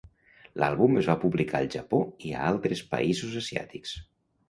L'àlbum es va publicar al Japó i a altres països asiàtics.